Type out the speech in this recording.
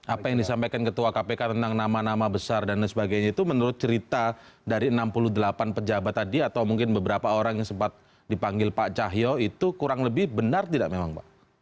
apa yang disampaikan ketua kpk tentang nama nama besar dan sebagainya itu menurut cerita dari enam puluh delapan pejabat tadi atau mungkin beberapa orang yang sempat dipanggil pak cahyo itu kurang lebih benar tidak memang pak